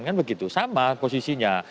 kan begitu sama posisinya